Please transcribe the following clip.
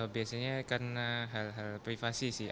biasanya karena hal hal privasi sih